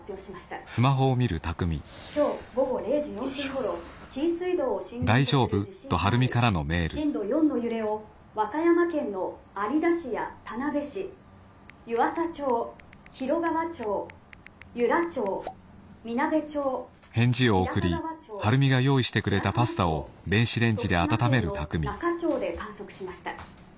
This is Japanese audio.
「今日午後０時４分ごろ紀伊水道を震源とする地震があり震度４の揺れを和歌山県の有田市や田辺市湯浅町広川町由良町南部町日高川町白浜町徳島県の那賀町で観測しました。